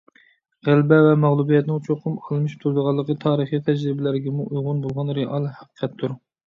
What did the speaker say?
غەلىبە ۋە مەغلۇبىيەتنىڭ چوقۇم ئالمىشىپ تۇرىدىغانلىقى تارىخىي تەجرىبىلەرگىمۇ ئۇيغۇن بولغان رېئال ھەقىقەتتۇر.